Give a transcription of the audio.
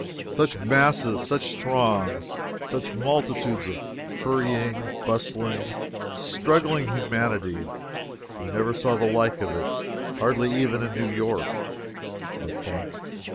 Such masses, such throngs, such multitudes of hurrying, bustling, struggling humanity! We never saw the like of it, hardly even in New York, I think.